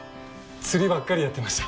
釣りばっかりやってました。